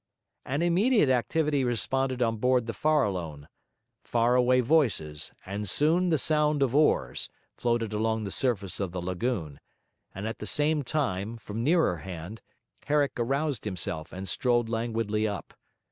An immediate activity responded on board the Farallone; far away voices, and soon the sound of oars, floated along the surface of the lagoon; and at the same time, from nearer hand, Herrick aroused himself and strolled languidly up.